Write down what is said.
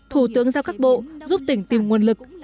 thủ tướng giao các bộ giúp tỉnh tìm nguồn lực